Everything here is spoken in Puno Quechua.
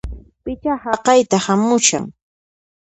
Pichá haqayta hamushan!